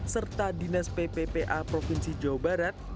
serta dinas pppa provinsi jawa barat